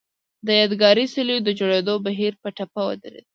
د یادګاري څليو د جوړېدو بهیر په ټپه ودرېد.